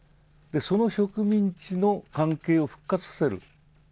その植民地の関係を復活させる。